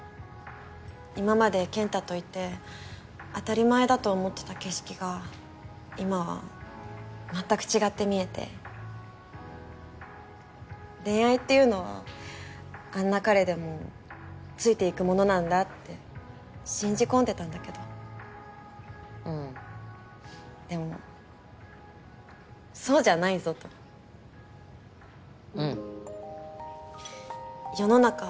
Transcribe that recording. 今まで健太といて当たり前だと思ってた景色が今は全く違って見えて恋愛っていうのはあんな彼でもついていくものなんだって信じ込んでたんだけどうんでもそうじゃないぞとうん世の中